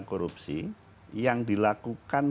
korupsi yang dilakukan